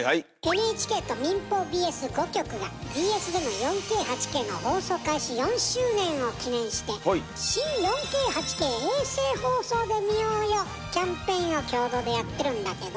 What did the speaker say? ＮＨＫと民放ＢＳ５局がＢＳでの４Ｋ８Ｋの放送開始４周年を記念して「新４Ｋ８Ｋ衛星放送で見ようよ！」キャンペーンを共同でやってるんだけど。